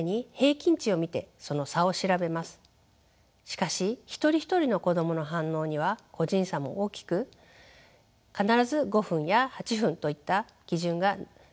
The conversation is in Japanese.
しかし一人一人の子供の反応には個人差も大きく必ず５分や８分といった基準が成立するとも限りません。